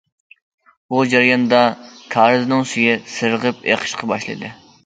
بۇ جەرياندا كارىزنىڭ سۈيى سىرغىپ ئېقىشقا باشلىدى.